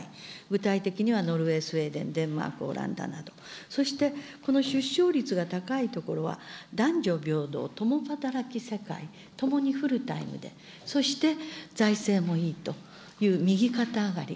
具体的にはノルウェー、スウェーデン、デンマーク、オランダなど、そして、この出生率が高い所は、男女平等、共働き世帯、ともにフルタイムで、そして財政もいいという右肩上がり。